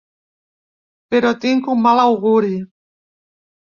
Però tinc un mal auguri.